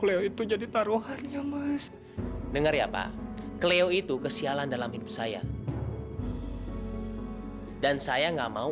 leo itu jadi taruhannya mas dengar ya pak kleo itu kesialan dalam hidup saya dan saya nggak mau